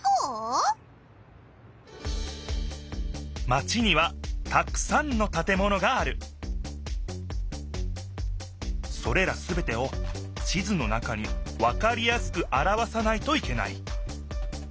マチにはたくさんのたてものがあるそれらすべてを地図の中にわかりやすくあらわさないといけない